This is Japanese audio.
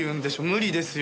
無理ですよ。